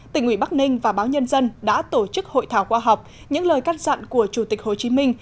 tỉnh ủy bắc ninh và báo nhân dân đã tổ chức hội thảo khoa học những lời cắt dặn của chủ tịch hồ chí minh